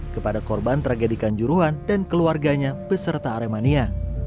kepada korban tragedikan juruhan dan keluarganya beserta aremania